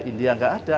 india tidak ada